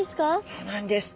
そうなんです。